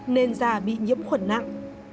nên da bị nhiễm khuẩn nặng